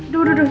duh duh duh